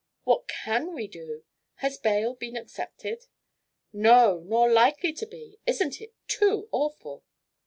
"What can we do? Has bail been accepted?" "No, nor likely to be. Isn't it too awful?"